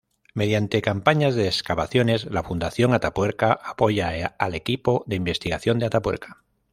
Mediante campañas de excavaciones la Fundación Atapuerca apoya al Equipo de Investigación de Atapuerca.